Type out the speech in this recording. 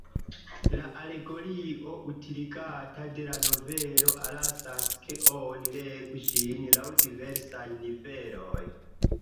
La alegorio utiligata de la novelo allasas, ke oni legu ĝin laŭ diversaj niveloj.